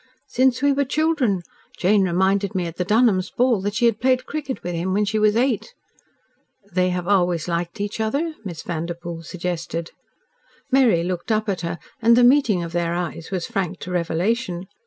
"Since we were children. Jane reminded me at the Dunholms' ball that she had played cricket with him when she was eight." "They have always liked each other?" Miss Vanderpoel suggested. Mary looked up at her, and the meeting of their eyes was frank to revelation.